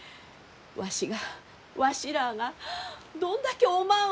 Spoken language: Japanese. わしがわしらあがどんだけおまんを。